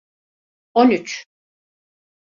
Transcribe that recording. On üç.